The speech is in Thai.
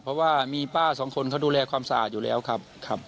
เพราะว่ามีป้าสองคนเขาดูแลความสะอาดอยู่แล้วครับ